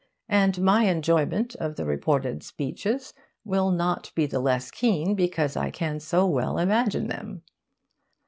And my enjoyment of the reported speeches will not be the less keen because I can so well imagine them....